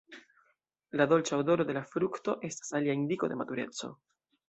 La dolĉa odoro de la frukto estas alia indiko de matureco.